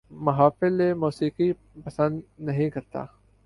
محافل موسیقی پسند نہیں کرتا